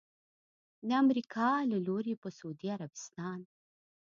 د امریکا له لوري پر سعودي عربستان